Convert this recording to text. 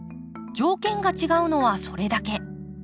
条件が違うのはそれだけ。